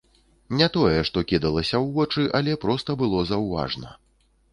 Не тое, што кідалася ў вочы, але проста было заўважна.